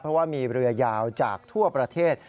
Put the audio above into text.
เพราะว่ามีเรือยาวจากทั่วประเทศ